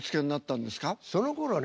そのころね